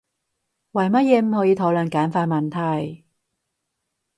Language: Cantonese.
為乜嘢唔可以討論簡繁問題？